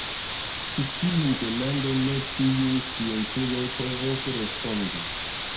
Ĉi-tiun demandon ne ĉiuj scienculoj povos respondi.